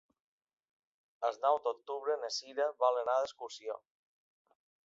El nou d'octubre na Sira vol anar d'excursió.